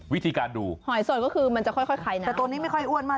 วิธีการดูหอยสดก็คือมันจะค่อยไข่นะแต่ตัวนี้ไม่ค่อยอ้วนมาก